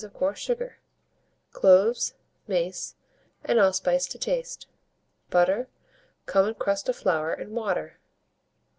of coarse sugar; cloves, mace, and allspice to taste; butter, common crust of flour and water.